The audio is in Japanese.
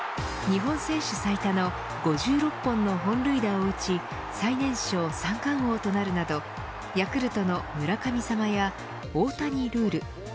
日本選手最多の５６本の本塁打を打ち最年少三冠王となるなどヤクルトの村神様や大谷ルール